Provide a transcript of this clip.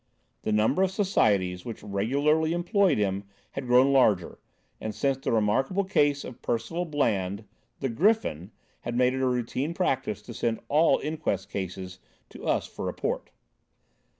The number of societies which regularly employed him had grown larger, and, since the remarkable case of Percival Bland, the Griffin had made it a routine practice to send all inquest cases to us for report.